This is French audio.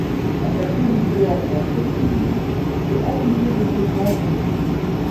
La version doublée en français connue était amputée de séquences du film.